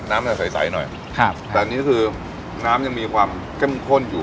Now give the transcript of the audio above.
น้ำจะใสใสหน่อยครับแต่อันนี้คือน้ำยังมีความเข้มข้นอยู่